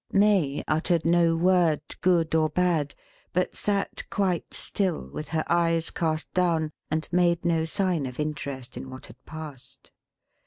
May uttered no word, good or bad, but sat quite still, with her eyes cast down; and made no sign of interest in what had passed.